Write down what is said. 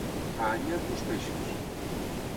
A Anya, els peixos.